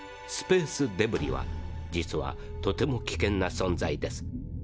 スペースデブリは実はとても危険な存在です。